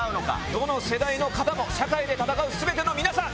どの世代の方も社会で闘う全ての皆さん！